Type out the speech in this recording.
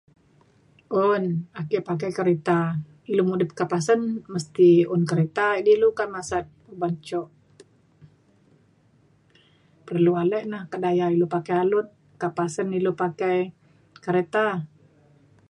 un ake pakai kereta. ilu mudip kak pasen mesti un kereta idi ilu ukat masat ban jok. perlu ale na kak daya ilu pakai alut kak pasen ilu pakai kereta.